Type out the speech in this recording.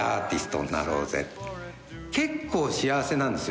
結構幸せなんですよ。